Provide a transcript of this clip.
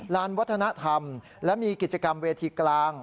ลานวัฒนธรรมและมีกิจกรรมเวทีกลาง